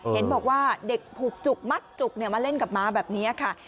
เห็นบอกว่าเด็กผูกจุกมัดจุกมาเล่นกับม้าแบบนี้ค่ะ